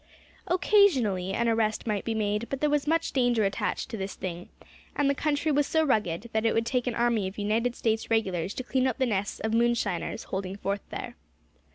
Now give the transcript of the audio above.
Occasionally an arrest might be made; but there was much danger attached to this thing; and the country was so rugged, that it would take an army of United States regulars to clean out the nests of moonshiners holding forth there.